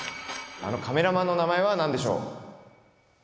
あのカメラマンの名前は何でしょう？